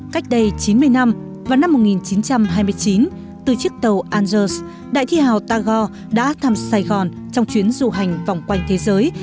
cách đây chín mươi năm vào năm một nghìn chín trăm hai mươi chín từ chiếc tàu anders đại thi hào tagore đã thăm sài gòn trong chuyến du hành vòng quanh thế giới